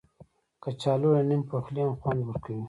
کچالو له نیم پخلي هم خوند ورکوي